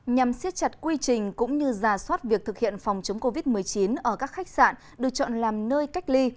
nhằm siết chặt quy trình cũng như giả soát việc thực hiện phòng chống covid một mươi chín ở các khách sạn được chọn làm nơi cách ly